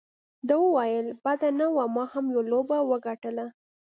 ده وویل: بده نه وه، ما هم یوه لوبه وګټله.